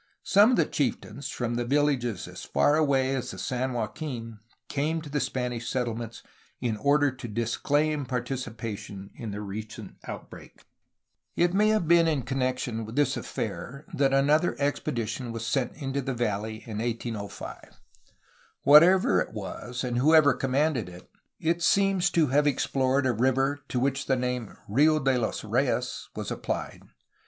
Some of the chieftains from villages as far away as the San Joaquin came to the Spanish settlements in order to disclaim partici pation in the recent outbreak. 420 A HISTORY OF CALIFORNIA It may have been in connection with this affair that an other expedition was sent into the valley in 1805. Whatever it was and whoever commanded it, it seems to have explored a river to which the name "Rio de los Reyes^^ was applied.